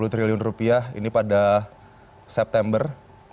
dua puluh triliun rupiah ini pada september